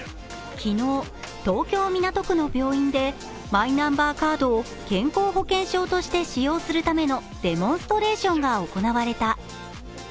昨日、東京・港区の病院でマイナンバーカードを健康保険証として使用するためのデモンストレーションが行われた。